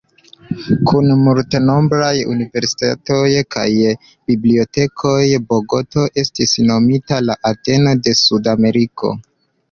Kun multenombraj universitatoj kaj bibliotekoj, Bogoto estis nomita "La Ateno de Sudameriko".